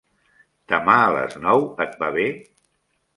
Demà a les nou et va bé?